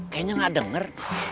kayaknya gak denger